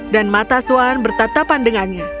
dan mata swan bertata pandangannya